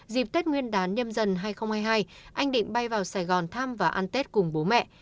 dịp tết nguyên đán nhâm dần hai nghìn hai mươi hai anh định bay vào sài gòn thăm và ăn tết cùng bố mẹ